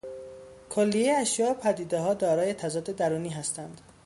کلیهٔ اشیا و پدیده ها دارای تضاد درونی هستند.